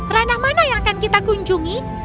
ranah mana yang akan kita kunjungi